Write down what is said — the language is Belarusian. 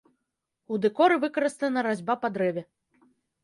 У дэкоры выкарыстана разьба па дрэве.